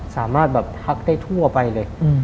สามารถแบบพักได้ทั่วไปเลย